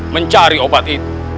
mencari obat itu